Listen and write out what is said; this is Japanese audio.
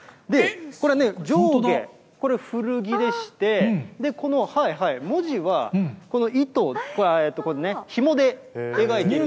これね、上下、これ古着でして、この文字は、この糸、これね、ひもで描いてる。